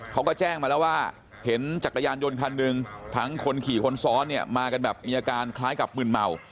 เขาก็แจ้งมาแล้วว่าเห็นจักรยานยนต์คันหนึ่งทั้งคนขี่คนซ้อนเนี่ยมากันแบบมีอาการคล้ายกับมึนเมา